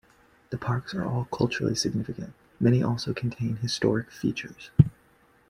The parks are all culturally significant; many also contain historic features.